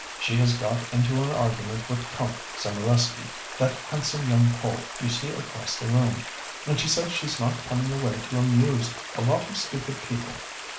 She has got into an argument with Count Zamoreski, that handsome young Pole you see across the room, and she says she's not coming away to amuse a lot of stupid people.